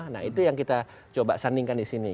nah itu yang kita coba sandingkan di sini